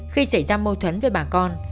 khi xảy ra mâu thuẫn với bà con